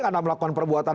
karena melakukan perbuatan